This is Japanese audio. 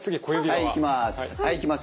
はいいきます